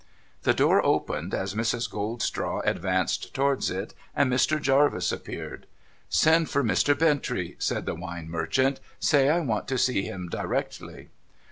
The door opened as Mrs. Goldstraw advanced towards it; and Mr. Jarvis appeared. ' Send for Mr. Bintrey,' said the wine merchant. ' Say I want to see him directly.'